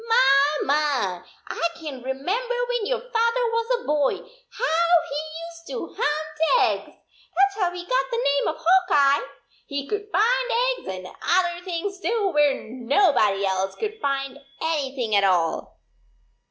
My, my, I can remember when your father was a boy, how he used to hunt eggs! That s how he got the name of Hawk Eye. He could find eggs, and other things too, where nobody else could find anything at 20 all.